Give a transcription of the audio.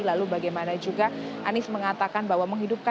lalu bagaimana juga anies mengatakan bahwa menghidupkan